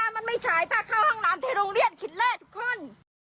มันไม่ฉายถ้าเข้าห้องน้ำที่โรงเรียนคิดเลิศทุกคน